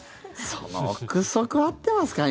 その臆測、合ってますか？